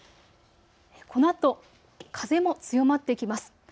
このあと風も強まってきます。